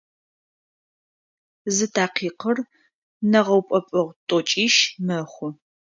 Зы такъикъыр нэгъэупӏэпӏэгъу тӏокӏищ мэхъу.